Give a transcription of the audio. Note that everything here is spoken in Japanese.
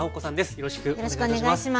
よろしくお願いします。